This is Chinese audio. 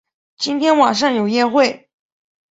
今天晚上有宴会